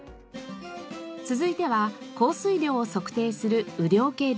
続いては降水量を測定する雨量計です。